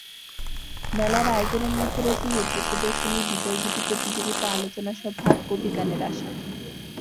মেলার আয়োজনের মধ্যে রয়েছে চিত্র প্রদর্শনী, বিজয়গীতি প্রতিযোগিতা, আলোচনা সভা, কবি গানের আসর।